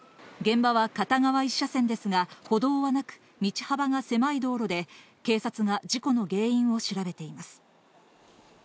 現場は片側１車線ですが、歩道はなく、道幅が狭い道路で、警察が事故の原因を調べています。